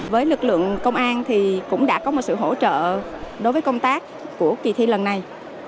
với lực lượng công an thì cũng đã có một sự hỗ trợ đối với công tác của kỳ thi lần này